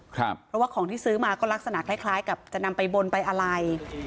เพราะว่าของที่ซื้อมาก็ลักษณะคล้ายกับจะนำไปบนไปอะไร